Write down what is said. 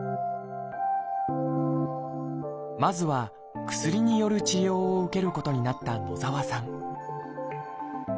まずは薬による治療を受けることになった野澤さん